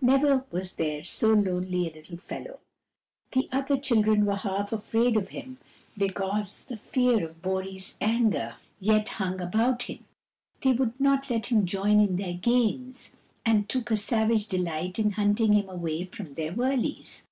Never was there so lonely a little fellow. The other children were half afraid of him, because the KUR BO ROO, THE BEAR 215 fear of Bori's anger yet hung about him ; they would not let him join in their games, and took a savage dehght in hunting him away from their wurleys.